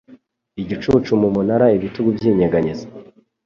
Igicucu mu munara, ibitugu byinyeganyeza